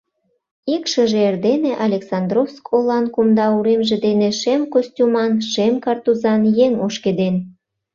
Ик шыже эрдене Александровск олан кумда уремже дене шем костюман, шем картузан еҥ ошкеден.